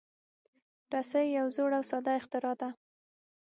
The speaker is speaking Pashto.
رسۍ یو زوړ او ساده اختراع ده.